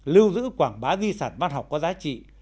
lưu giữ quảng bá di sản văn học có giá trị